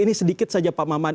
ini sedikit saja pak maman